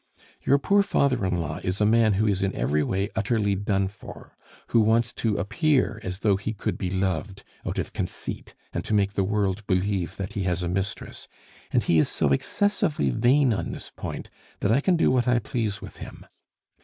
"Your poor father in law is a man who is in every way utterly done for; who wants to appear as though he could be loved, out of conceit, and to make the world believe that he has a mistress; and he is so excessively vain on this point, that I can do what I please with him.